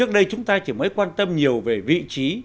trước đây chúng ta chỉ mới quan tâm nhiều về vị trí